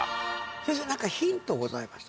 先生何かヒントございますか？